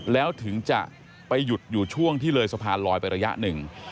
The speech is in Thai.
แล้วถึงจะไปหยุดอยู่ช่วงที่เลยสะพานลอยไประยะหนึ่ง